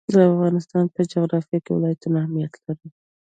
د افغانستان په جغرافیه کې ولایتونه اهمیت لري.